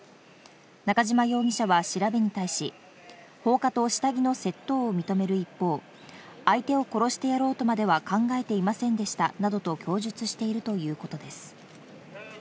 中島容疑者は調べに対し、放火と下着の窃盗を認める一方、相手を殺してやろうとまでは考えていませんでしたなどと供述しているということです。